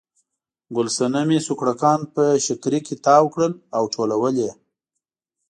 ګل صنمې سوکړکان په شکري کې تاو کړل او یې ټولول.